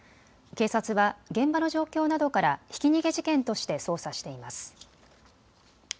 警察は現場の状況などからひき逃げ事件として捜査しています。